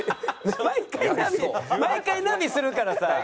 毎回何毎回「何する？」からさ。